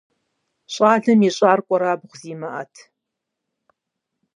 Щӏалэм ищӏар екӏурабгъу зимыӏэт.